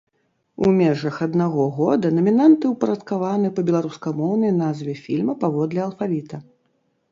У межах аднаго года намінанты ўпарадкаваны па беларускамоўнай назве фільма паводле алфавіта.